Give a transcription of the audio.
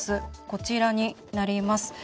こちらになります。